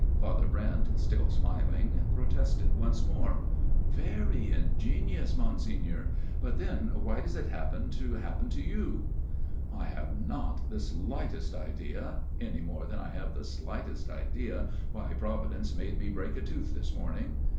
Father Brent, still smiling, protested once more. " Very ingenious, Monsignor ; but then why does it happen to happen to you ?" 10 A MIRROR OF SHALOTT " I have not the slightest idea, any more than I have the slightest idea why Providence made me break a tooth this morning.